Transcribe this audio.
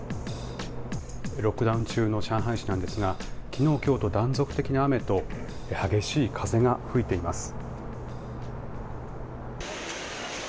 ロックダウン中の上海市なんですが昨日、今日と断続的な雨と激しい風が吹いています。